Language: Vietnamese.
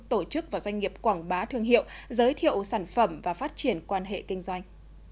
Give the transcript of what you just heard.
tổ chức và doanh nghiệp quảng bá thương hiệu giới thiệu sản phẩm và phát triển quan hệ kinh doanh